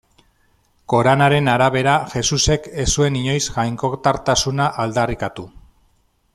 Koranaren arabera, Jesusek ez zuen inoiz jainkotartasuna aldarrikatu.